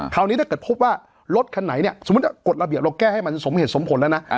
คราวนี้ถ้าเกิดพบว่ารถคันไหนเนี่ยสมมุติกฎระเบียบเราแก้ให้มันสมเหตุสมผลแล้วนะ